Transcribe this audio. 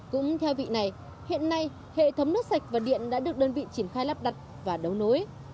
cũng theo vị này hiện nay hệ thống nước sạch và điện đã được đơn vị triển khai lắp đặt và đấu nối